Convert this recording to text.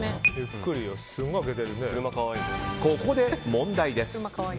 ここで問題です。